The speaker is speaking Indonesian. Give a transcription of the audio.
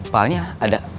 pak alnya ada